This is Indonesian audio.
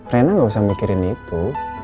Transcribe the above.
rena gak usah mikirin itu